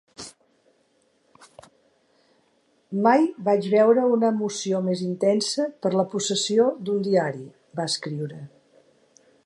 "Mai vaig veure una emoció més intensa per la possessió d'un diari", va escriure.